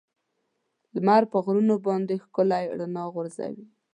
لمر په غرونو باندې ښکلي رڼا غورځوي.